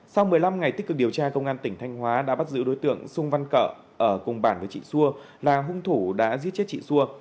sau một mươi năm ngày tích cực điều tra công an tỉnh thanh hóa đã bắt giữ đối tượng sung văn cợ ở cùng bản với chị xua là hung thủ đã giết chết chị xua